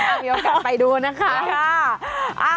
มีโอกาสไปดูนะคะ